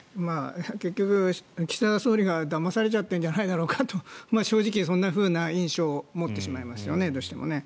結局、岸田総理がだまされちゃっているんじゃないかと正直、そんなふうな印象を持ってしまいますよねどうしてもね。